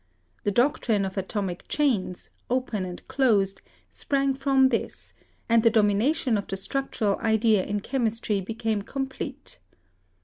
The doctrine of atomic chains, open and closed, sprang from this, and the domination of the structural idea in chemis try became complete.